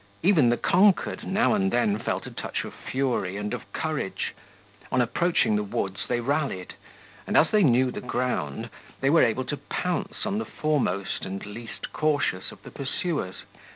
Even the conquered now and then felt a touch of fury and of courage. On approaching the woods, they rallied, and as they knew the ground, they were able to pounce on the foremost and least cautious of the pursuers.